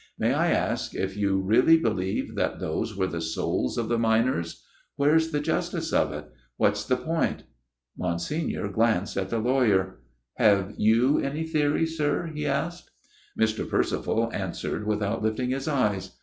May I ask if you really believe that those were the souls of the miners ? Where's the justice of it ? What's the point ?" Monsignor glanced at the lawyer. MR. PERCIVAL'S TALE 281 " Have you any theory, sir ?" he asked. Mr. Percival answered without lifting his eyes.